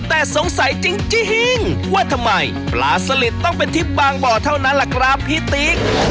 แต่สงสัยจริงว่าทำไมปลาสลิดต้องเป็นที่บางบ่อเท่านั้นล่ะครับพี่ติ๊ก